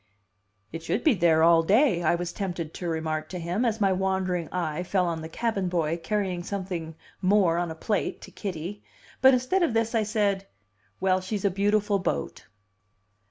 "It should be there all day," I was tempted to remark to him, as my wandering eye fell on the cabin boy carrying something more on a plate to Kitty. But instead of this I said: "Well, she's a beautiful boat!"